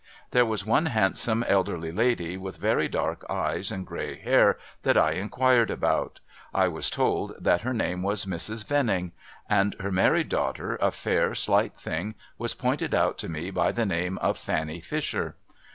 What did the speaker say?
There was one handsome elderly lady, with very dark eyes and gray hair, that I inquired about. I was told that her name was Mrs. Venning ; and her married daughter, a f.iir, slight thing, was pointed out to me by the name of Fanny Fisher.